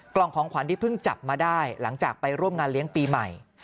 กล่องของขวัญที่เพิ่งจับมาได้หลังจากไปร่วมงานเลี้ยงปีใหม่